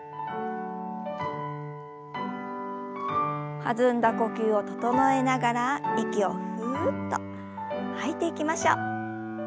弾んだ呼吸を整えながら息をふっと吐いていきましょう。